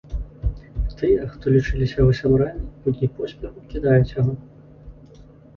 Тыя, хто лічыліся яго сябрамі ў дні поспеху, кідаюць яго.